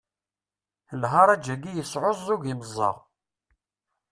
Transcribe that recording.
Lharaǧ-agi yesɛuẓẓug imeẓaɣ.